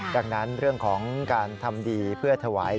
ดังนั้นเรื่องของการทำดีเพื่อถวาย